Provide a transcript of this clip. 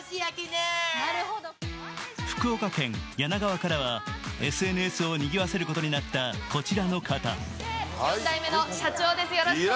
福岡県柳川からはＳＮＳを賑わせることになったこちらの方。